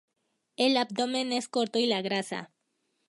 El abdomen es corto y la grasa.